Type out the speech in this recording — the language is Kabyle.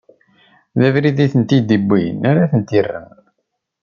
D abrid i ten-id-iwwin ara ten-irren.